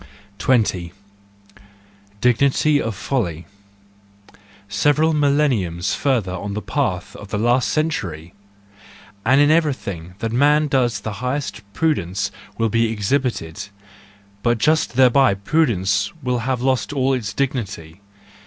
20. Dignity of Folly .—Several millenniums further on in the path of the last century!—and in every¬ thing that man does the highest prudence will be exhibited: but just thereby prudence will have lost all its dignity.